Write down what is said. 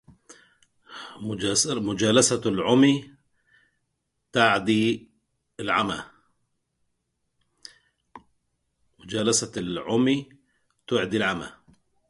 مجالسة العمي تعدي العمى